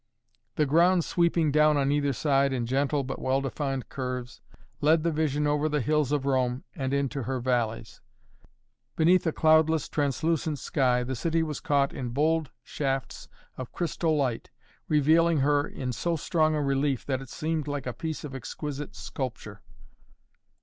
The ground sweeping down on either side in gentle, but well defined curves, led the vision over the hills of Rome and into her valleys. Beneath a cloudless, translucent sky the city was caught in bold shafts of crystal light, revealing her in so strong a relief that it seemed like a piece of exquisite sculpture.